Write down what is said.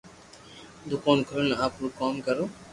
دوڪون کولين آپرو ڪوم ڪرو